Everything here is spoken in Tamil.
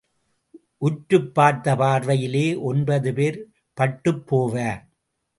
உற்றுப் பார்த்த பார்வையிலே ஒன்பது பேர் பட்டுப் போவார்.